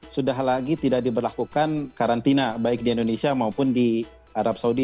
sudah lagi tidak diberlakukan karantina baik di indonesia maupun di arab saudi